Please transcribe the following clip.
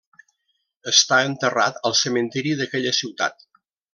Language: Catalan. Està enterrat al cementiri d'aquella ciutat.